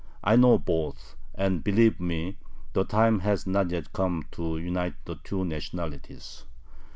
I know both, and believe me, the time has not yet come to unite the two nationalities.